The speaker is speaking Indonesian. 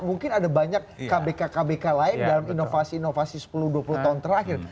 mungkin ada banyak kbk kbk lain dalam inovasi inovasi sepuluh dua puluh tahun terakhir